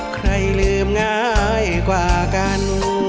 ใครลืมง่ายกว่ากัน